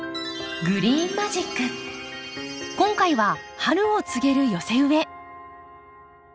今回は春を告げる寄せ植え。